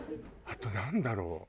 あとなんだろう？